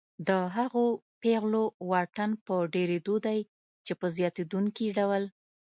د هغو پیغلو واټن په ډېرېدو دی چې په زیاتېدونکي ډول